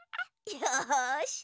よし。